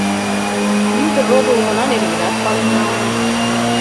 Мӱндыр родо улмына нергенат пален нална.